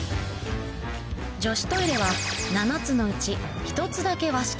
女子トイレは７つのうち１つだけ和式